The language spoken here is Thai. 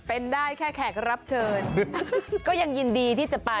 เป็นได้แค่แขกรับเชิญก็ยังยินดีที่จะไป